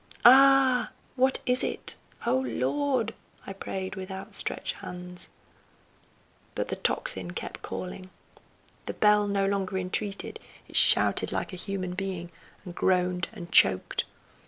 "Ah! what is it? O Lord!" I prayed with outstretched hands. But the tocsin kept calling. The bell no longer entreated, it shouted like a human being, and groaned and choked.